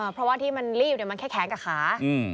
เพราะว่าที่มันรีบมันแค่แขนกับขา